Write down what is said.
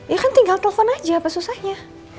ya kan tinggal telepon aja apa susahnya